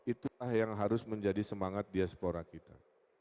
itulah yang harus menjadi semangat diaspora kita